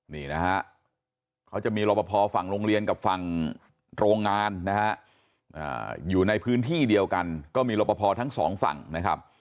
นี่นะฮะเขาจะมีรบพอฝั่งโรงเรียนกับฝั่งโรงงานนะฮะอยู่ในพื้นที่เดียวกันก็มีรบพอทั้งสองฝั่งนะครับ